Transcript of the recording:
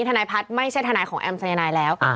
ท่านายพัดไม่ใช่ท่านายของแอมสัญญาณายแล้ว